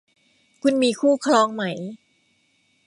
คุณมีคู่ครองไหม